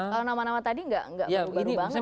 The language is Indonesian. kalau nama nama tadi gak baru baru banget kan